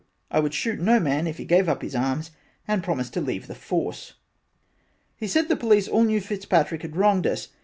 I would shoot no man if he gave up his arms and leave the force he said the police all knew Fitzpatrick had wronged us.